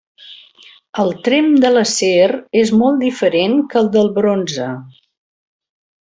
El tremp de l’acer és molt diferent que el del bronze.